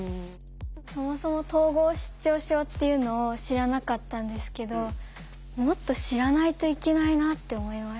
そもそも統合失調症っていうのを知らなかったんですけどもっと知らないといけないなって思いました。